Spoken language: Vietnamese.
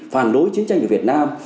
phản đối chiến tranh của việt nam